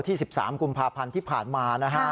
๑๓กุมภาพันธ์ที่ผ่านมานะฮะ